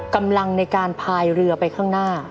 กำลังในการพายเรือไปข้างหน้า